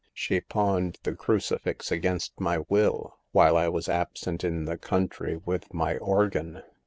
She pawned the crucifix against my will, while I was absent in the country with my organ.